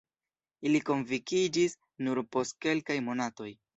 Ili konvinkiĝis nur post kelkaj monatoj.